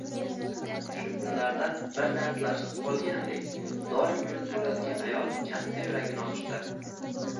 Shu kunlarda bir dardlashib qolgandik, doim kulib yuradigan ayol katta yuragini ochdi